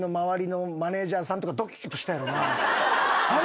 「あれ？